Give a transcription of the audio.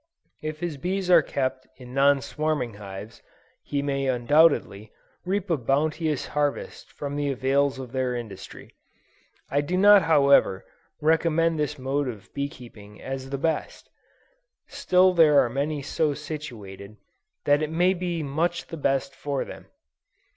If his bees are kept in non swarming hives, he may undoubtedly, reap a bounteous harvest from the avails of their industry. I do not however, recommend this mode of bee keeping as the best: still there are many so situated that it may be much the best for them.